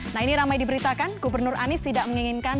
nah ini ramai diberitakan gubernur anies tidak menginginkan